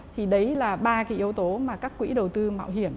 thì đấy là ba cái yếu tố mà các quỹ đầu tư mạo hiểm